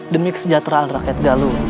demi kesejahteraan rakyat galung